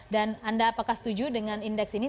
dan anda apakah setuju dengan indeks ini tiga tiga